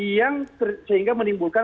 yang sehingga menimbulkan